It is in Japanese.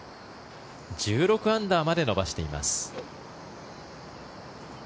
１６アンダーまで伸ばしています。